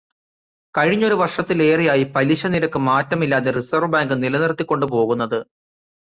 കഴിഞ്ഞൊരു വർഷത്തിലേറെയായി പലിശ നിരക്ക് മാറ്റമില്ലാതെ റിസർവ്വ് ബാങ്ക് നിലനിർത്തിക്കൊണ്ട് പോകുന്നത്?